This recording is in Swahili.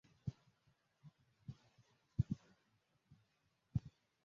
Kichwa hunyolewa safi isipokuwa kifurushi cha nywele